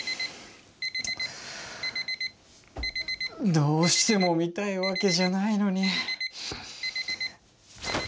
どうしても見たいわけじゃないのに。